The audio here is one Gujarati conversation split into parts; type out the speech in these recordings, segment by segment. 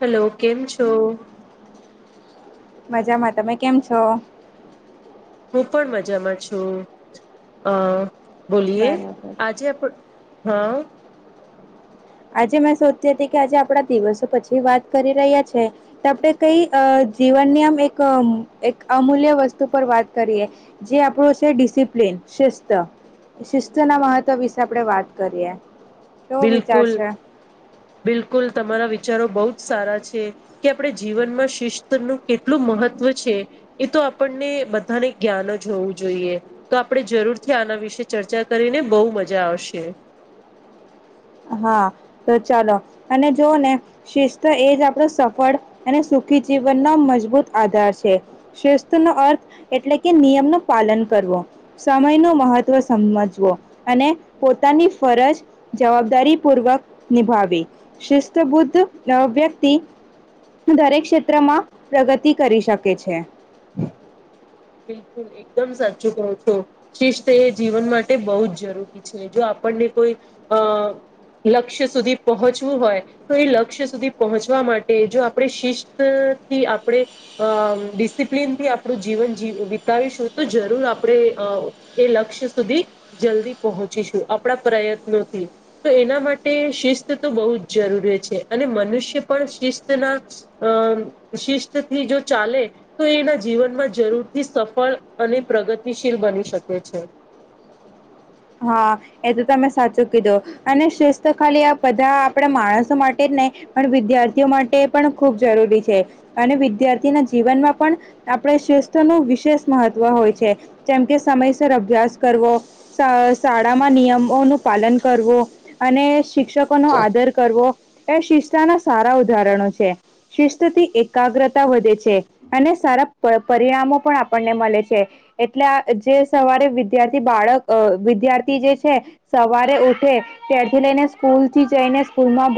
હલો કેમ છો મજામાં તમે કેમ છો હું પણ મજામાં છું અ બોલીિએ બરાબર. આજે [unintelligible] આપ હા આજે મેં સોધતી હતી કે આજે આપડા દિવસો પછી વાત કરી રહ્યા છે તો આપણે કઈ. જીવનની આમ એક અમૂલ્ય વસ્તુ પર વાત કરીએ જે આપણું છે ડિસિપ્લિન સ્ત શિસ્ત ના મહત્વ વિશે આપડે વાત કરીએ કેવો. વિચાર બિલકુલ છે? બિલકુલ તમારા વિ. વિચારો બ જ સારા છે કે આપણે જીવનમાં શિસ્ત નું કેટલું મહત્વ છે એ તો. આપને બધાને જ્ઞાન હોવું જોઈએ તો આપણે જરૂરથી આના વિશે ચર્ચા કરીને બ. બહુ મજા આવશે. [inaudible] હા તો ચાલો અને જોવ ને શિસ્ત એજ આપડો સફળ અને સુખી. જીવન ન મજબૂત આધાર છે શસ્ત નો અર્થ એટલે કે નિયમ નું પાલન કરવું. સમય ન મહત્વ સમજવો અને પોતાની ફરજ જવાબ. દરીપૂર્વક નિભાવે શિસ્ત બુદ્ધ અ વ્યક્તિ. દરેક ક્ષેત્રમાં પ્રગતિ કરી શકે છે. બિલકુલ એકદમ સાચું કહો છો શિસ્ત એ જીવન માટે બહુ જ જરૂરી છે જો આપ, આપણને કોઈ અ લક્ષ્ય સુધી પહોંચવું હોય તો એ લક્ષ્ય સુધી પહોંચવા માટે જો આપણે શિસ્તથી આપણે ડિસિપ્લીનથી આપણું જીવન. વિતાવીશું તો જરૂર આપણે એ લક્ષ્ય સુધી જલ્દી પહોંચીશું આપણા પ્રયત્નોથી તો એના માટે શિસ્ત તો બહુ જ જરૂરી છે અને મનુષ્ય પણ. શસ્ત ના શિસ્ત થી જો ચાલે તો એના જીવનમાં જરૂર. થી સફળ અને પ્રગતિશીલ બની શકે છે. હા એ તો તમે સાચું કીધું અને શિસ્ત ખાલી આ બધા આપણે માણસો માટે જ. વિદ્યાર્થીઓ માટે પણ ખબ જરૂરી છે અને વિદ્યાર્થી ના જીવનમાં પણ. આપણે શસ્ નું વિશેષ મહત્વ હોય છે જેમ કે સમયસર અભ્યાસ કરવો. શ શાળામાં નિયમોનું પાલન કરવું અને શિક્ષકોનો આદર કરવો. એ શિસ્તના સારા ઉદાહરણો છે શિસ્ત થી એકાગ્રતા વધે છે અને. સારા પરિણામો પણ આપણને મળે છે એટલે જે સવારે વિદ્યાર્થી બાળક. અ વિદ્યાર્થી જે છે સવારે ઉઠે ત્યારથી લઈને સ્કૂલ થી જઈને સ્કૂલ માં.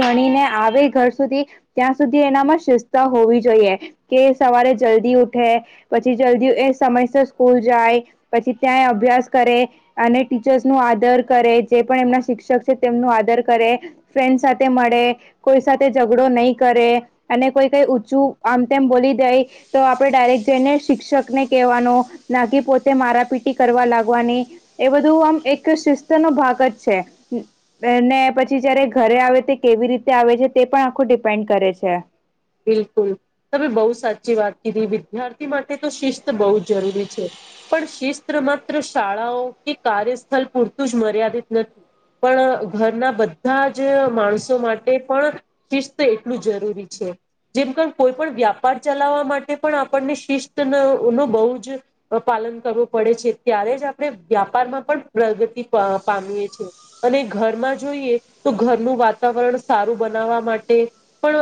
આવે ઘર સુધી ત્યાં સુધી એનામાં શિસ્ત હોવી જોઈએ કે સવારે જલ્દી ઉઠે પછી જલ્દી એ સમયસર સ્કૂલ જાય પછી ત્યાં અભ્યાસ કરે. અને ટીચર્સ નું આદર કરે જે પણ એમના શિક્ષક છે તેમનું આદર કરે ફ્રેન્ડ સાથે મળે કોઈ સાથે ઝઘડો નહી કરે અને કોઈ કઈ ઊચું આમ તેમ બોલી દાય તો. આપણે ડાયરેક્ટ જઈને શિક્ષકને કહેવાનો નાકી પોતે મારાપીટી કરવા લાગવાની. એ બધું આમ એક શિસ્ત નો ભાગ જ છે ને પછી જયારે ઘરે આવે તે. કેવી રીતે આવે છે તે પણ આખું ડિપેન્ડ કરે છે. બિલકુલ તમે બહુ સાચી વાત કીધી વિદ્યાર્થી માટે તો શિસ્ત બહુ જ જરૂરી છે. પણ શિસ્ત્ર માત્ર શાળાઓ કે કાર્યસ્થળ પૂરતું જ મર્યાદિત નથી. પણ ઘરના બધા જ માણસો માટે પણ શિસ્ત એટલું જરૂરી છે. જેમ કોઈ પણ વ્યાપાર ચલાવવા માટે પણ આપણને શિસ્ત નો બહુ જ. પાલન કરવું પડે છે ત્યારે જ આપણે વ્યાપારમાં પણ પ્રગતિ પામીએ છી અને. ઘરમાં જોઈએ તો ઘરનું વાતાવરણ સારું બનાવવા માટે પણ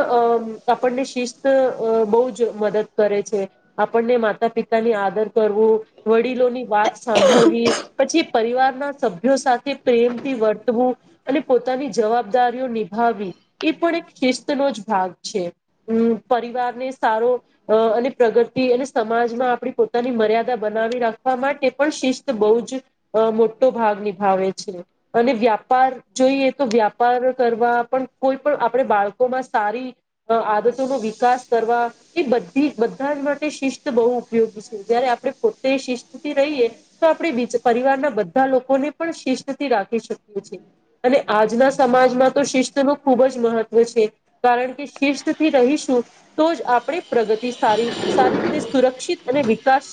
અ. આપણને શિસ્ત બહુ જ મદદ કરે છે આપણને માતા પિતા ની આદર કરવો. વડીલોની વાત સાંભળવી પછી પરિવારના સભ્યો સાથે પ્રેમથી વ. અને પોતાની જવાબદારીઓ નિભાવી એ પણ એક શિસ્તનો જ ભાગ છે. હમ પરિવાર ને સારો અને પ્રગતિ અને સમાજમાં આપણી પોતાની મર્યાદા. બના રાખવા માટે પણ શિસ્ત બહ જ મોટો ભાગ નિભાવે છે અને્યા. વ્યાપાર જોઈએ તો વ્યાપાર કરવા પણ કોઈ પણ આપણે બાળકો માં સારી. આદતો નો વિકાસ કરવા એ બધી બધા માટે શિસ્ત બહ ઉપયોગી છે જ્યારે. આપ પોતે શિસ્તથી રહીએ તો આપણે બી પરિવારના બધા લોકોને પણ શિસ્તથી રાખી શકીએ. અને આજના સમાજમાં તો શિસ્ત નું ખુબ જ મહત્વ છે કારણ કે શીર્થી રહીશું તો જ આપણે પ્રગતિ સારી સારી રીતે સુરક્ષિત અને વિકાસ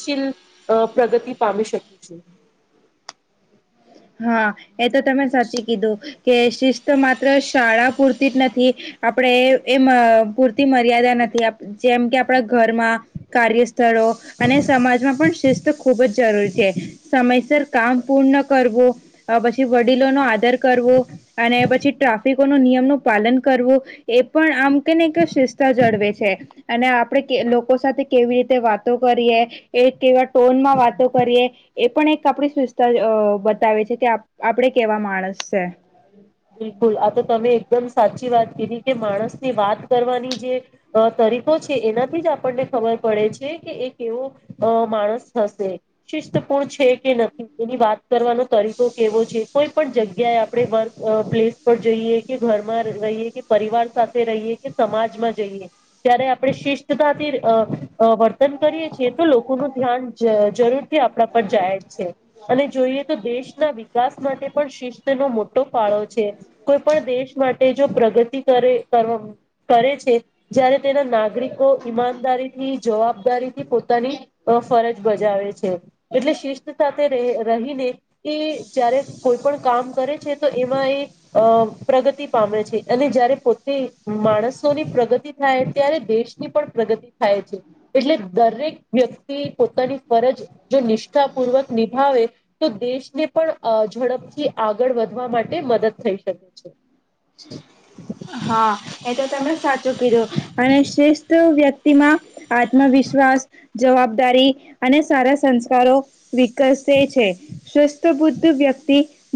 પ્રગતિ પામી શકી છે હા એ તો તમે સાચી કીધું કે શિસ્ત માત્ર શાળા પૂરતી જ નથી આપણેે એમ પૂરતી મર્યાદા નથી આપ જેમ કે આપણા ઘરમાં કાર્યસ્થળો અને સમાજમાં પણ શિસ્ત ખૂબ જ જરૂરી છે સમયસર કામ પૂર્ણ કરવું પછી વડીલો નો આદર કરવો અને પછી ટ્રાફિક નિયમ નું પાલન કરવું એ પણ આમ કેને શિસ્તા જળવે છે અને આપણે લોકો સાથે કેવી રીતે વાતો કરીએ એ કેવા ટોનમાં વાતો કરીએ એ પણ એક આપ સુસ્તા બતાવે છે કે આપડે કેવા માણસ છે બિલકુલ આ તો તમે એકદમ સાચી વા કરી કે માણસ ની વાત કરવાની જે તરીકો છે એનાથી જ આપણને ખબર પડે કે એકવો માણસ હશે શિસ્તપૂર્ણ છે કે નથી એની વાત કરવાનો તરીકો કેવો છે કોઈ પણ જગ્યાએ આપણે વર્ગ અ પ્લેસ પર જઈએ કે ઘરમાં રહીએ કે પરિવાર સાથે રહીએ કે સમાજમાં જઈએ જય્યારે આપણે શિસ્્ટતાથી અ વર્તન કરીએ છીએ તો લોકોનું ધ્યાન જરૂર આપણા પર જાહેર છે અને જોઈએ તો દેશના વિકાસ માટે પણ શિસ્તનો મોટો મોટ પાળો છે કોઈ પણ દેશ માટે જો પ્રગતિ કરે કરે છે જય્યારે તેના નાગરિકો ઈમાનદારી ની જવાબદારી થી પોતાની ફરજ બજાવે છે એટલે શિસ્ત સાથે રહીને એ જય્યારે કોઈ પણ કામ કરે છે તો એમાં એ પ્રગતિ પામે છે અને જયારે પોતે માણસોની પ્રગતિ થાય ત્યારે દેશની પણ પ્રગતિ થાય છે એટલે દરેક વ્યક્તિ પોતાની ફરજ જો નિષ્ઠા પૂર્વક નિભાવે તો દેશને પણ ઝડપથી આગળ વધ માટે મદદ થઈ શકે છે હા એ તો તમને સાચું કીધું અને શ્રેષ્ઠ વ્યક્તિમાં આત્મવિશ્વાસ જવાબદારી અને સારા સંસ્કારો વિકસે છે સ્વસ્થ બુદ્ધ વ્ય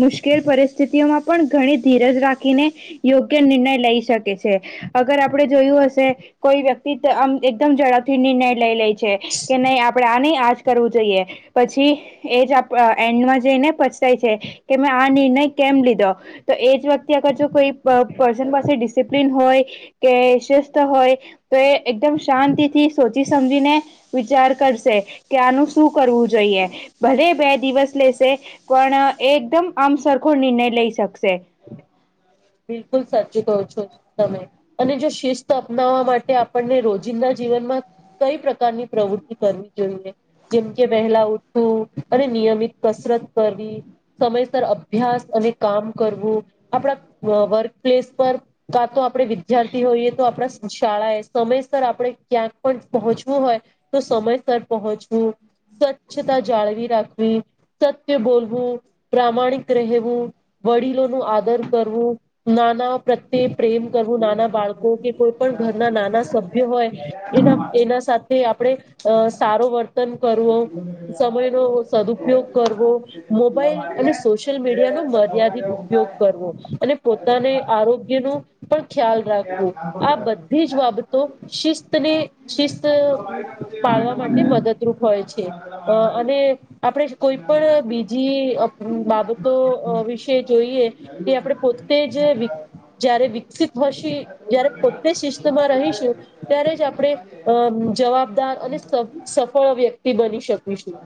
મુશ્કેલ પરિસ્થિતિઓમાં પણ ઘણી ધીરજ રાખીને યોગ્ય નિર્ણય લઈ શકે છે અગર આપડે જોયું હશે કોઈ વ્યક્તિ આમ એકદમ ઝડપથી નિર્ણય લઈ લે કે નહી આપડે આની આજ ું જોઈએ પછી એ જ એન્ડમાં જઈને પછતાય છે કે મેં આ નિર્ણય કેમ લીધો તો એજ વખતે આગ જો કોઈ પર્સન ડિસિપ્લિન હોય કે શસ્થ હોય તો એ એકદમ શાંતિ થી સોચી સમજીને વિચાર કરશે કે આનું શું કરવું જોઈએ ભલે બે દિવસ લેશે પણ એકદમ આમ સરખો નિર્ણય લઈ શકશે બિલકુલ સાચ કહો છો તમે અને જો શિસ્ત અપનાવવા માટે આપણને રોજિંદા જીવન કઈ પ્રકારની પ્રવૃતિ કરવી જોઈએ જેમ કે વહેલા ઉઠવું અને નિયમિત કસરત કરવી સમયસર અભ્યાસ અને કામ કરવું આપણા વર્ક પ્લેસ પર કાં તો આપડે વિદ્યાર્થી હોઈએ તો આપણા શાળા એ સમયસર આપણેે ક્યાંક પણ પહોંચવું હોય તો સમયસર પહોંચવું સ્વચ્છતા જાળવી રાખવી સત્ય બોલવું પ્રામાણિક રહેવું વડીલો નું આદર કરવું નાના પ્રત્યે પ્રેમ કરવું નાના બાળકો કે કોઈ પણ ઘરના નાના સભ્ય હોય એના એના સાથે આપડણે અ સારો વર્તન કરવો સમયનોો સદુપયોગ કરવો મોબાઈલ અને સોશિયલ મીડિયાનોો મર્યાદિત ઉપયોગ ઉપ કરવો અને પોતાને આરોગ્ય ન પણ ખ્યાલ રાખવું આ બધી જ બાબતો શિસ્તને શિસ્ત પા વા માટે મદદરૂપ હોય છે, અને આપણે કોઈ પણ બીજી બાબતો વિશે જોઈએ. એ આપણે પોતે જ જયારે વિકસિત હોશ કે જ્યારે પોતેજ શિસ્તમા રહીશું ત્યારે જ આપણે જવાબદાર અને સ સફળ વ્યક્તિ બની શકીશું.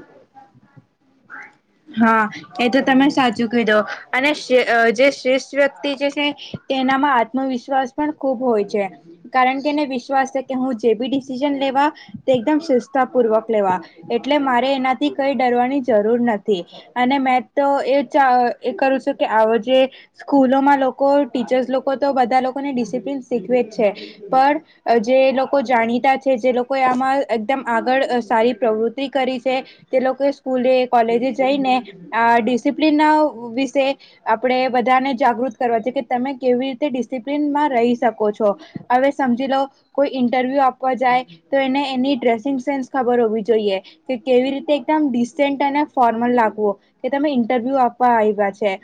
[inaudible] હા એ તો તમે સાચું કીદો અને જે શ્રેષ્ઠ વ્યક્તિ જે છે. તેનામાં આત્મવિશ્વાસ પણ ખુબ હોય છે, કારણ કે એને વિશ્વાસ છે કે હું જે બી ડિસિજન લેવા તે એકદમ તા પૂર્વક લેવા એટલે મારે એનાથી કઈ ડરવાની જરૂર નથી અને મે તો એ એ કરું છું કે આવો જે સ્કૂલોમાં લોકો ટીચર્સ લોકો તો બધા લો કોને ડિસિપ્લિન શીખવે છે, પણ જે લોકો જાણીતા છે જે લોકો આમાં એક આગળ સારી પ્રવૃતિ કરી છે તે લોકો સ્કૂલે કોલેજ જઈને આ ડિસિપ્લન વિશે આપણે બધાને જાગૃત કરવા છે કે તમે કેવી રીતે ડીસી પ્નમાં રહી શકો છો, હવે સમજી લો કોઈ ઈન્ટરવ્યૂ આપવા જાય તો એને એની. ડ્રેસિંગ સેન્સ ખબર હોવી જોઈએ કે કેવી રીતે એકમ ડિસ્ટન્ટ અને ફોર્મલ લાગવું, અ તમે ઇન્ટરવ્યુ આપવા આવ્યા છે,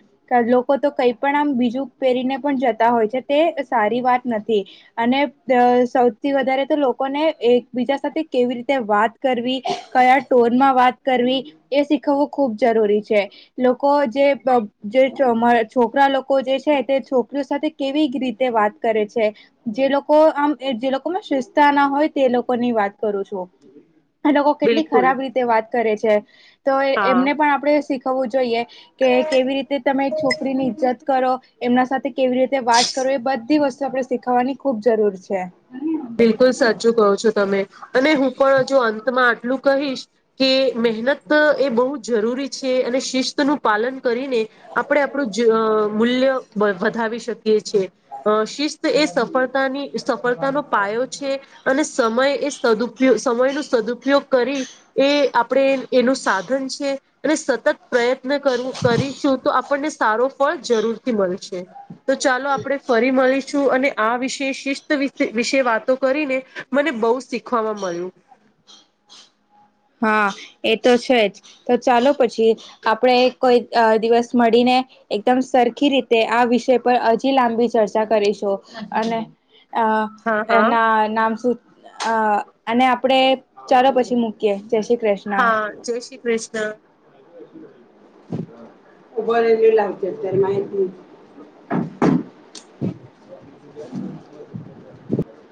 લોકો તો કઈ પણ આમ બીજું પહેરીને પણ જતા હોય છે. તે સારી વાત નથી અને સૌથી વધારે તો લોકોને એકબીજા સાથે કેવી રીતે વાત કરવી કયા ટોન માં વાત કરવી, એ શી ખૂબ જરૂરી છે લોકો જે અબ જે ચો મા છોકરા લોકો જે છે, તે છોકરીઓ સાથે કેવી રીતે વાત કરે છે, જે લોકો આમ જે લોકોમાં શિસ્તતા ના હોય તે લોકો ની વાત ક રૂ છું. લોકો કેટલી બિલકુલ ખરાબ રીતે વાત કરે છે, તો હા એમને પણ આપણે શીખવવું જોઈએ કે કેવી રીતે તમે છોકરી ની ઈજ્જત કરો, એમના સાથે કેવી રીતે વાત કરો એ બધી વસ્તુ આપણે શીખાવાની ખુબ જરૂર છે. બિલકુલ સાચું કહો છો તમે, અને હું પણ હજુ અંતમાં આટલું કહીશ કે મહેનત એ બહુ જરૂરી છે અને શિસ્તનું પાલન કરીને આપણે આપણું જ મૂલ્ય વધાવી શકીએ છીએ, શિસ્ત એ સફળતાની સફળતાનો પાયો છે અને સમય એ સદપયો સમય ન સદુપયોગ કરી એ આપણે એનું સાધન છે, અને સતત પ્રયત્ન કરવું કરીશું તો આપણને સારો ફળ જરૂરથી મળ તો ચાલો આપણેે ફરી મળીશું અને આ વિષ શિસ્ત વિશે વિશે વાતો કરીને મને બહુ શીખવામા મળ્યું. હા એ તો છે જ તો ચાલો પછી આપણેે કોઈ દિવસ મળીને અ એકદમ સરખી રીતે આ વિષય પર હજી લાંબી ચર્ચા કરીશું અને. અ હા એ હા ના નામ શું અને આપડે ચાલો પછી મૂ હા જય શ્રી કૃષ્ણ. [unintelligible] [unintelligible]